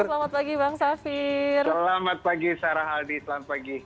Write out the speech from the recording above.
selamat pagi sarah aldi selamat pagi